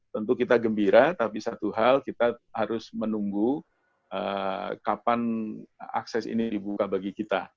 tentu kita gembira tapi satu hal kita harus menunggu kapan akses ini dibuka bagi kita